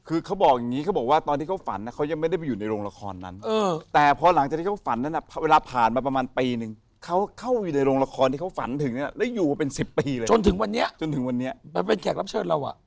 คือเขาบอกอย่างนี้เขาบอกว่าตอนที่เขาฝันเขายังไม่ได้ไปอยู่ในโรงละครนั้นแต่พอหลังจากที่เขาฝันนั้นเวลาผ่านมาประมาณปีนึงเขาเข้าไปอยู่ในโรงละครที่เขาฝันถึงเนี่ยแล้วอยู่มาเป็น๑๐ปีเลยจนถึงวันนี้จนถึงวันนี้มันเป็นแขกรับเชิญเราอ่ะ